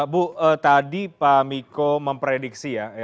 bu tadi pak miko memprediksi ya